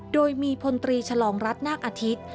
โดยมีพลตรีฉลองรัฐนาคอาทิตย์